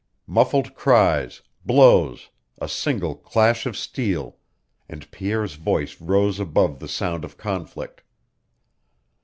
Muffled cries, blows, a single clash of steel, and Pierre's voice rose above the sound of conflict.